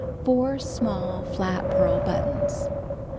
Four small flat pearl buttons.